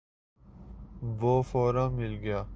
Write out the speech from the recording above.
وہ فورا مل گیا۔